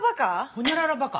ほにゃららバカ？